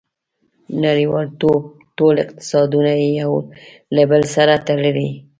• نړیوالتوب ټول اقتصادونه یو له بل سره تړلي.